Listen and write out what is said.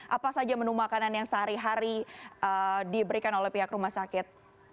apa saja menu makanan yang sehari hari diberikan oleh pihak rumah sakit